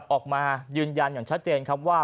ออกมายืนยันอย่างชัดเจนครับว่า